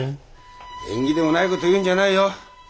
縁起でもない事言うんじゃないよ！